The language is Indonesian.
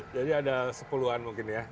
jadi ada sepuluhan mungkin ya